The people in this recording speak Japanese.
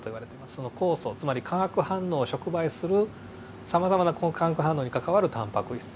その酵素つまり化学反応を触媒するさまざまな化学反応に関わるタンパク質ですね